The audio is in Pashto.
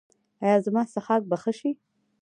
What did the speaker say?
ایا زما څښاک به ښه شي؟